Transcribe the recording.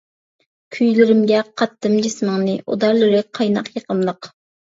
كۈيلىرىمگە قاتتىم جىسمىڭنى، ئۇدارلىرى قايناق يېقىملىق.